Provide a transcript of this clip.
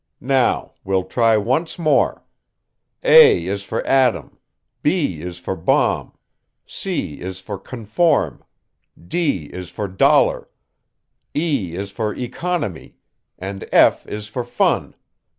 Now, we'll try once more: 'A' is for 'Atom', 'B' is for 'Bomb', 'C' is for 'Conform', 'D' is for 'Dollar', 'E' is for 'Economy', and 'F' is for 'Fun'.